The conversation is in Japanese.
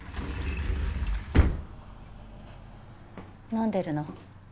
飲んでるの？